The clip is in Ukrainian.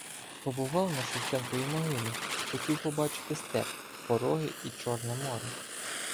Побував на Шев- ченковій могилі — хотів побачити степ, пороги і Чорне море.